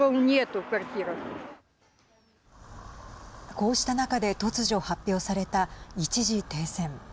こうした中で突如発表された一時停戦。